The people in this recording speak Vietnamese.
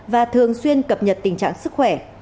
và thường xuyên cập nhật tình trạng sức khỏe